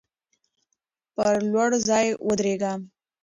پر لوړ ځای ودریږه.